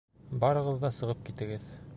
Барығыҙ ҙа сығып китегеҙ.